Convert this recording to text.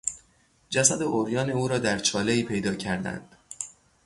جسد عریان او را در چالهای پیدا کردند.